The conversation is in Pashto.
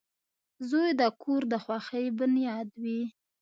• زوی د کور د خوښۍ بنیاد وي.